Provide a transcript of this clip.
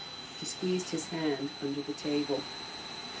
She squeezed his hand under the table.